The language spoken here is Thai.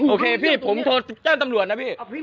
โอเคพี่ผมโทรแจ้งตำรวจนะพี่